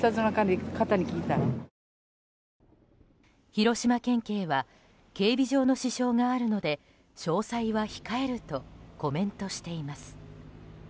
広島県警は、警備上の支障があるので詳細は控えるとコメントしています。